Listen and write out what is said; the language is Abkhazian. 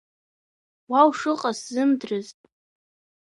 Уа ушыҟаз сзымдрызт…